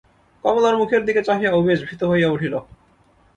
কমলার মুখের দিকে চাহিয়া উমেশ ভীত হইয়া উঠিল।